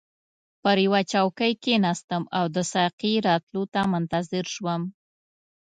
پر یوه چوکۍ کښیناستم او د ساقي راتلو ته منتظر شوم.